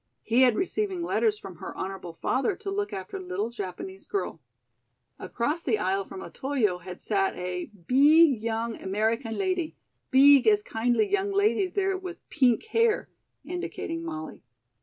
He had receiving letters from her honorable father to look after little Japanese girl. Across the aisle from Otoyo had sat a "beeg young American lady, beeg as kindly young lady there with peenk hair," indicating Molly.